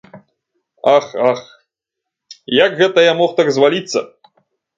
Ах, ах, як гэта я мог так зваліцца!